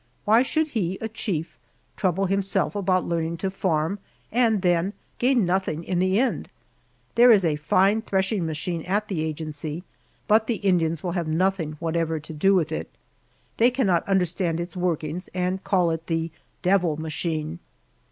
Why should he, a chief, trouble himself about learning to farm and then gain nothing in the end! There is a fine threshing machine at the agency, but the Indians will have nothing whatever to do with it. They cannot understand its workings and call it the "Devil Machine."